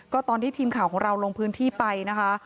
ก็ตอนที่ทีมข่าวของเราลงพื้นที่ไปนะคะ